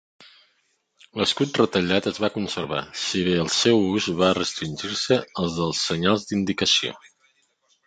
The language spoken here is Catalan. L'escut retallat es va conservar, si bé el seu ús va restringir-se al dels senyals d'indicació.